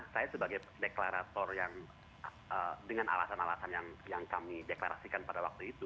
saya sebagai deklarator yang dengan alasan alasan yang kami deklarasikan pada waktu itu